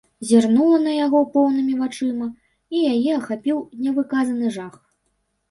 Зірнула на яго поўнымі вачыма, і яе ахапіў нявыказаны жах.